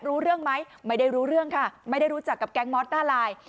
รู้เรื่องไหมไม่ได้รู้เรื่องค่ะไม่ได้รู้จักกับแก๊งมอสหน้าไลน์